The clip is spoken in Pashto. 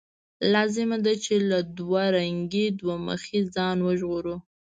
لازمه ده چې له دوه رنګۍ، دوه مخۍ ځان وژغورو.